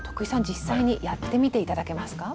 実際にやってみて頂けますか？